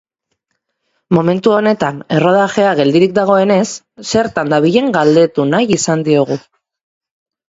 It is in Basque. Momentu honetan, errodajea geldirik dagoenez, zertan dabilen galdetu nahi izan diogu.